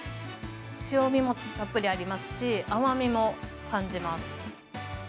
塩みもたっぷりありますし、甘みも感じます。